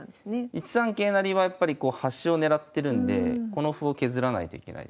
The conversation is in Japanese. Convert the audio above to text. １三桂成はやっぱり端を狙ってるんでこの歩を削らないといけないですね。